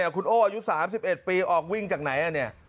คุณโอ้อายุ๓๑ปีออกวิ่งจากไหนเนี่ย